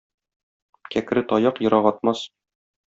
Кәкре таяк ерак атмас.